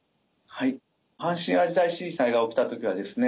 阪神淡路大震災が起きた時はですね